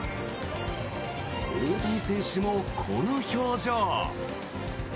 大谷選手もこの表情。